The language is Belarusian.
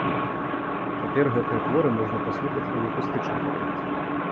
Цяпер гэтыя творы можна паслухаць і ў акустычным варыянце.